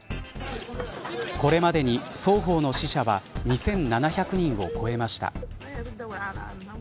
これまでに、双方の死者は２７００人を超えました。